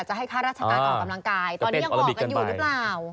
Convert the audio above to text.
ให้ค่าราชการออกกำลังกายตอนนี้ยังออกกันอยู่หรือเปล่า